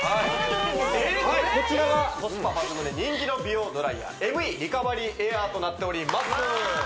こちらがコスパ抜群で人気の美容ドライヤーＭＥリカバリーエアーとなっております